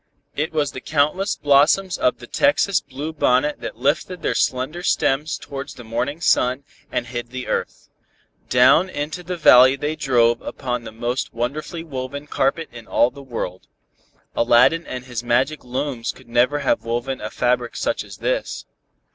It was the countless blossoms of the Texas blue bonnet that lifted their slender stems towards the morning sun, and hid the earth. Down into the valley they drove upon the most wonderfully woven carpet in all the world. Aladdin and his magic looms could never have woven a fabric such as this.